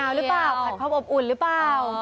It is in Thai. นาวหรือเปล่าผัดครอบอุ่นหรือเปล่า